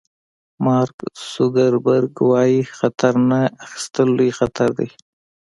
مارک زوګربرګ وایي خطر نه اخیستل لوی خطر دی.